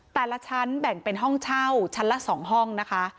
แต่ละชั้นแบ่งเป็นห้องเช่าชั้นละ๒ห้องนะคะ